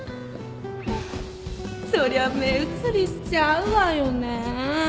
そりゃ目移りしちゃうわよね。